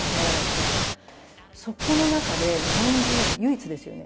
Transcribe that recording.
そこの中で日本人唯一ですよね。